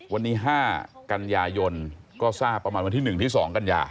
วันนี้๕กันยายนก็ทราบประมาณวันที่๑ที่๒กันยา